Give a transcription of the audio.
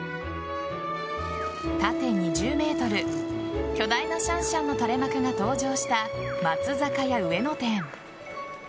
縦２０ｍ巨大なシャンシャンの垂れ幕が登場した松坂屋上野店。